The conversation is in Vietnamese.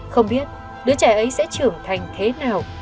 không biết đứa trẻ ấy sẽ trưởng thành thế nào